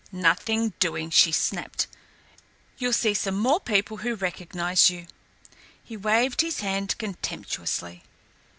"Nothing doing," she snapped. "You'll see some more people who recognise you." He waved his hand contemptuously.